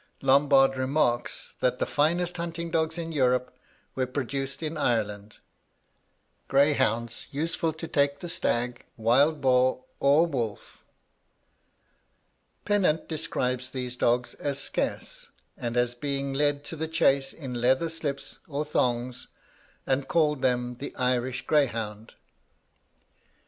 Lombard remarks, that the finest hunting dogs in Europe were produced in Ireland: 'Greyhounds useful to take the stag, wild boar, or wolf.' Pennant describes these dogs as scarce, and as being led to the chase in leather slips or thongs, and calls them 'the Irish greyhound.'